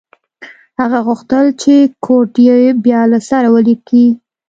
هغه غوښتل چې کوډ یې بیا له سره ولیکي